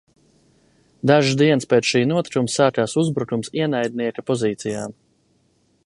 Dažas dienas pēc šī notikuma sākās uzbrukums ienaidnieka pozīcijām.